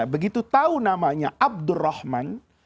begitu tahu namanya abdurrahman